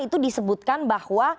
itu disebutkan bahwa